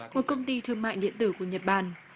một công ty thương mại điện tử của nhật bản